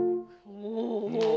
お！